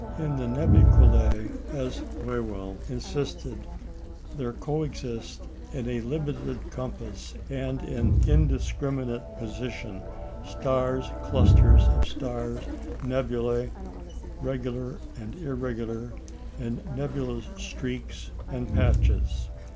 In the Nubeculæ, as Whewell insisted, "there coexist, in a limited compass and in indiscriminate position, stars, clusters of stars, nebulæ, regular and irregular, and nebulous streaks and patches.